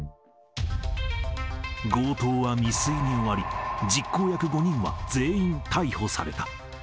強盗は未遂に終わり、実行役５人は全員逮捕された。